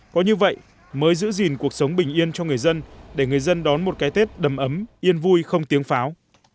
có như vậy mới giữ gìn cuộc sống bình yên cho người dân để người dân đón một cái tết đầm ấm yên vui không tiếng pháo